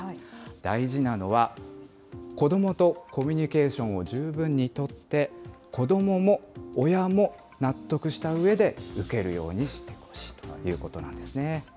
大事なのは、子どもとコミュニケーションを十分に取って、子どもも親も納得したうえで受けるようにしてほしいということなんですね。